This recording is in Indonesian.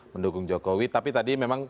mendukung jokowi tapi tadi memang